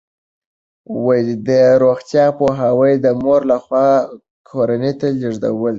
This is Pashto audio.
د روغتیا پوهاوی د مور لخوا کورنۍ ته لیږدول کیږي.